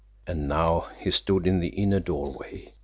And now he stood in the inner doorway.